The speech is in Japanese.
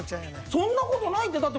そんな事ないって。